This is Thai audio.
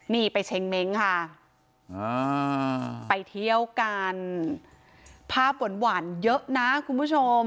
นี่ไปเช็งเม้งค่ะไปเที่ยวกันภาพหวานเยอะนะคุณผู้ชม